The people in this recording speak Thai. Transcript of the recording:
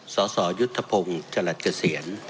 สสยุทธพงศ์จรัสเกษียณ